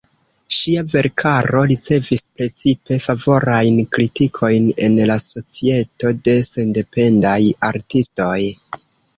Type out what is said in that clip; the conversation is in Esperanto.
Ŝia verkaro ricevis precipe favorajn kritikojn en la Societo de Sendependaj Artistoj.